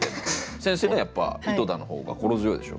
先生もねやっぱ井戸田の方が心強いでしょ？